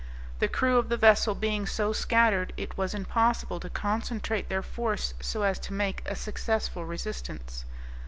The crew of the vessel being so scattered, it was impossible to concentrate their force so as to make a successful resistance.